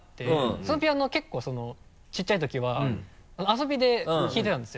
そのピアノを結構小さいときは遊びで弾いてたんですよ。